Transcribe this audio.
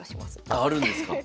ああるんですか。